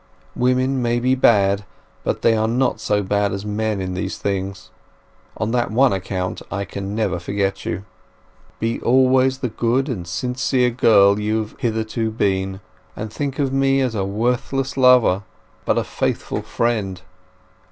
Women may be bad, but they are not so bad as men in these things! On that one account I can never forget you. Be always the good and sincere girl you have hitherto been; and think of me as a worthless lover, but a faithful friend.